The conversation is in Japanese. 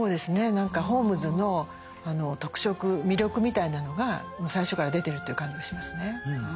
何かホームズの特色魅力みたいなのが最初から出てるっていう感じがしますね。